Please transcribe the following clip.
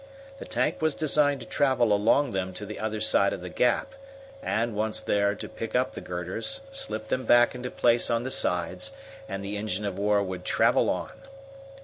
The tank was designed to travel along them to the other side of the gap, and, once there, to pick up the girders, slip them back into place on the sides, and the engine of war would travel on.